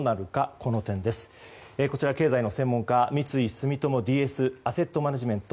こちら、経済の専門家、三井住友ＤＳアセットマネジメント